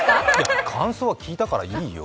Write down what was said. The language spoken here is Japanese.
感想は聞いたからいいよ。